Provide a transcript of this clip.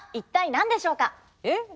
えっ？